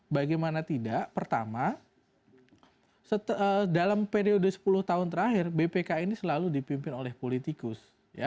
bagaimana tidak pertama dalam periode sepuluh tahun terakhir bpk ini selalu dipimpin oleh politikus